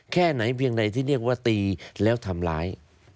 แค่ไหนเพียงใดที่เรียกว่าตีแล้วทำร้าย